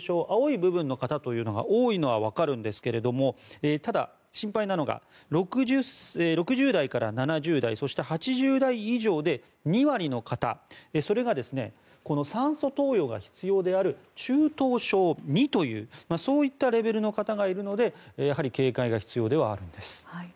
青い部分の方が多いのはわかるんですがただ、心配なのが６０代から７０代そして、８０代以上で２割の方それが酸素投与が必要である中等症２というそういったレベルの方がいるのでやはり警戒が必要ではあるんです。